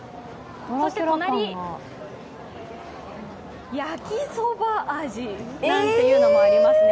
そして隣、焼きそば味なんていうのもありますし。